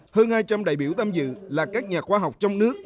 hơn hai trăm linh đại biểu tham dự là các nhà khoa học trong nước